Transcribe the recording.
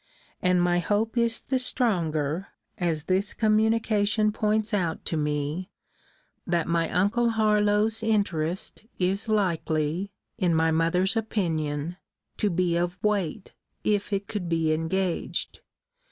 And my hope is the stronger, as this communication points out to me that my uncle Harlowe's interest is likely, in my mother's opinion, to be of weight, if it could be engaged.